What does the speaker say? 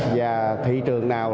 và thị trường nào